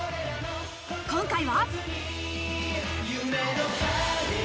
今回は。